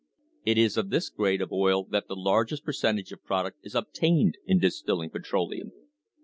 It is of this grade of oil that the largest percentage of product is obtained in distilling petroleum.